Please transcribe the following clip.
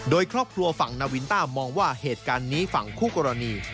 โดยครอบครัวฝั่งนาวินต้ามองว่าเหตุการณ์นี้ฝั่งคู่กรณี